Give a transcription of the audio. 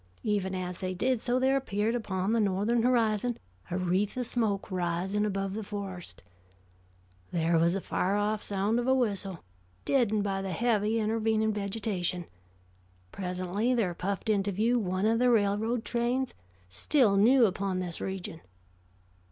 Even as they did so there appeared upon the northern horizon a wreath of smoke rising above the forest. There was the far off sound of a whistle, deadened by the heavy intervening vegetation; presently there puffed into view one of the railroad trains, still new upon this region.